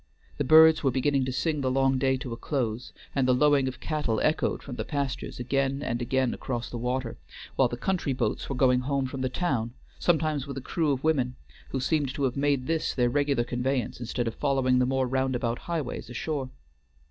The birds were beginning to sing the long day to a close, and the lowing of cattle echoed from the pastures again and again across the water; while the country boats were going home from the town, sometimes with a crew of women, who seemed to have made this their regular conveyance instead of following the more roundabout highways ashore.